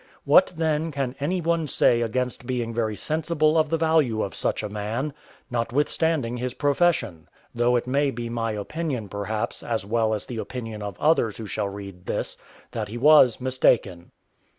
What then can any one say against being very sensible of the value of such a man, notwithstanding his profession? though it may be my opinion perhaps, as well as the opinion of others who shall read this, that he was mistaken.